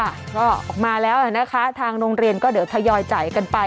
ก็ออกมาแล้วนะคะทางโรงเรียนก็เดี๋ยวทยอยจ่ายกันไป